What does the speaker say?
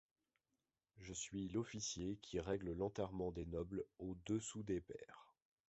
Je suis l’officier qui règle l’enterrement des nobles au-dessous des pairs.